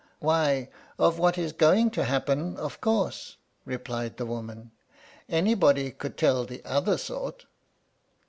"Why, of what is going to happen, of course," replied the woman. "Anybody could tell the other sort."